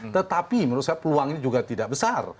tetapi menurut saya peluangnya juga tidak besar